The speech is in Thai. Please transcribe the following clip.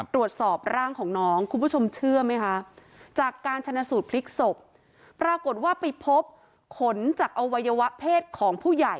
ตรวจสอบร่างของน้องคุณผู้ชมเชื่อไหมคะจากการชนะสูตรพลิกศพปรากฏว่าไปพบขนจากอวัยวะเพศของผู้ใหญ่